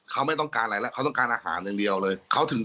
เขาไม่ต้องการอะไรแล้วเขาต้องการอาหารอย่างเดียวเลยเขาถึง